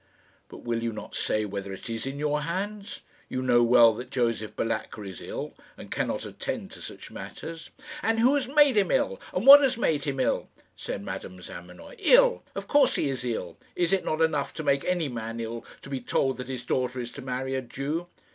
"But will you not say whether it is in your hands? You know well that Josef Balatka is ill, and cannot attend to such matters." "And who has made him ill, and what has made him ill?" said Madame Zamenoy. "Ill! of course he is ill. Is it not enough to make any man ill to be told that his daughter is to marry a Jew?"